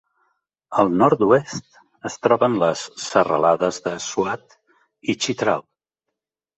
Al nord-oest es troben les serralades de Swat i Chitral.